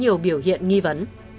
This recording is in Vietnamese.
để biểu hiện nghi vấn